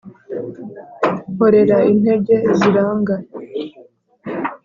nkorera intege ziranga